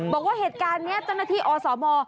บอกว่าเหตุการณ์นี้เจ้าหน้าที่อสม